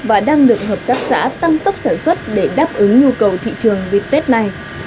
và đang được hợp tác xã tăng tốc sản xuất để đáp ứng nhu cầu thị trường dịp tết này